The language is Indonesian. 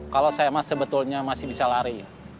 kalau saya sebetulnya masih bisa lari